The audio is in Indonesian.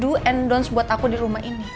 kamu bikin do and don't buat aku di rumah ini